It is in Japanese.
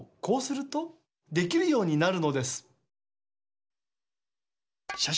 こうするとできるようになるのです。